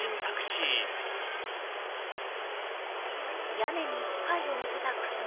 屋根に機械を載せた車。